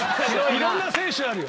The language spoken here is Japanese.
いろんな選手あるよ。